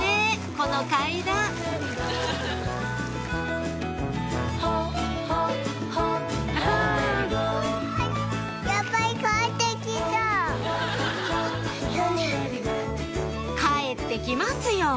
この階段帰って来ますよ！